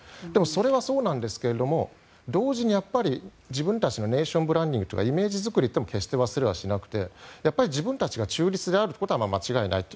それはそうなんですが同時に自分たちのネーションブランディングとかイメージ作りも決して忘れはしなくて自分たちが中立であることは間違いないと。